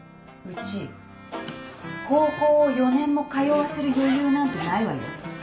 うち高校を４年も通わせる余裕なんてないわよ。